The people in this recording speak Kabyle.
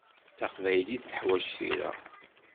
Taqbaylit tuḥwaǧ tira.